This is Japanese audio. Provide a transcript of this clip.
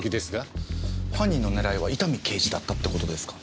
犯人の狙いは伊丹刑事だったって事ですか？